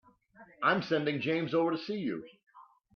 I'm sending James over to see you.